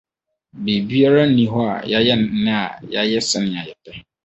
Biribiara nni hɔ a yɛayɛ nnɛ a yɛayɛ sɛnea yɛpɛ.